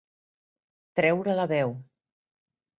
Treure la veu.